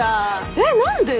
えっ何で？